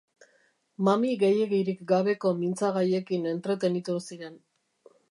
Mami gehiegirik gabeko mintzagaiekin entretenitu ziren.